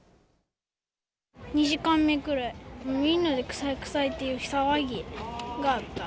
２時間目くらい、みんなで臭い、臭いって騒ぎがあった。